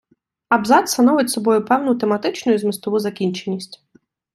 Абзац становить собою певну тематичну і змістову закінченість.